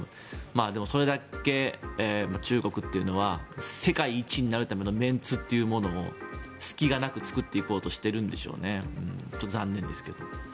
でも、それだけ中国というのは世界一になるためのメンツというものを隙がなく作っていこうとしているんでしょうね。